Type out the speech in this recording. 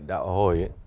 đạo hồi ấy